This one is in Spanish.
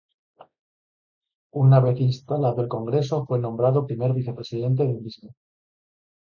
Una vez instalado el Congreso fue nombrado primer vicepresidente del mismo.